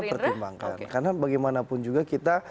pertimbangkan karena bagaimanapun juga kita